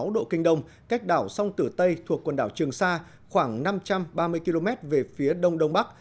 một trăm một mươi tám sáu độ kinh đông cách đảo sông tử tây thuộc quần đảo trường sa khoảng năm trăm ba mươi km về phía đông đông bắc